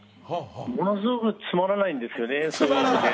ものすごくつまらないんですよね。